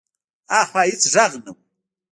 هاخوا هېڅ غږ نه و.